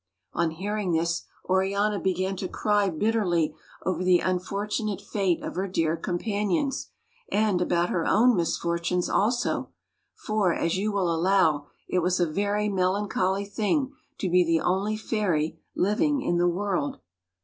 On hearing this, Oriana began to cry bitterly over the unfortunate fate of her dear companions, and about her own misfortunes also ; for, as you will allow, it was a very melan choly thing to be the only fairy living in the world.